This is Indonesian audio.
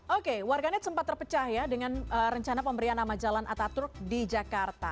oke warganet sempat terpecah ya dengan rencana pemberian nama jalan ataturk di jakarta